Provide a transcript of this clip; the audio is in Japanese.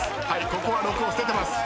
ここは６を捨ててます。